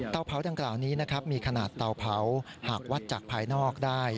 เผาดังกล่าวนี้นะครับมีขนาดเตาเผาหากวัดจากภายนอกได้